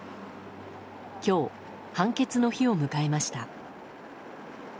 今日、判決の日を迎えました。